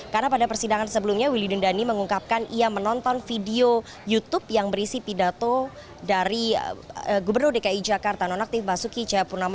karena pada persidangan sebelumnya willy dindani mengungkapkan ia menonton video youtube yang berisi pidato dari gubernur dki jakarta nonaktif basuki cahapurnama